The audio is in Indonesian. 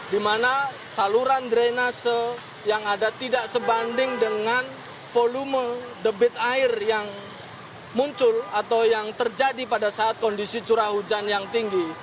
di mana saluran drenase yang ada tidak sebanding dengan volume debit air yang muncul atau yang terjadi pada saat kondisi curah hujan yang tinggi